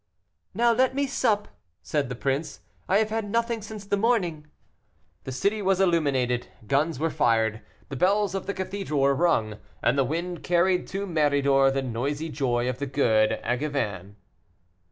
"Now let me sup," said the prince, "I have had nothing since the morning." The city was illuminated, guns were fired, the bells of the cathedral were rung, and the wind carried to Méridor the noisy joy of the good Angevins.